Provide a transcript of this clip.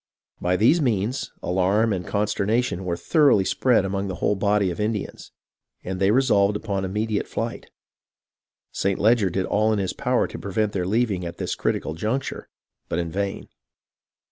By these means, alarm and consternation were thoroughly spread among the whole body of Indians, and they resolved upon immediate flight. St. Leger did all in his power to pre vent their leaving at this critical juncture, but in vain.